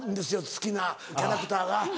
好きなキャラクターが。